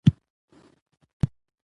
پخپله ژوند وکړه او بل ته یې واک مه ورکوه